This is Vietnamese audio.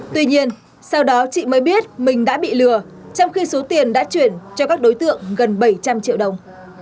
tuy nhiên sau đó chị mới biết mình đã bị lừa trong khi số tiền đã chuyển cho các đối tượng gần bảy trăm linh triệu đồng